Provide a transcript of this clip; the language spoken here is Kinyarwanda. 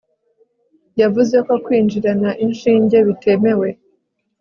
yavuzeko kwinjirana inshinge bitemewe